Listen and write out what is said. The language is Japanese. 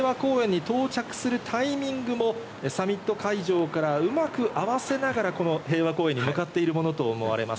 この平和公園に到着するタイミングもサミット会場からうまく合わせながら、この平和公園に向かっているものと思われます。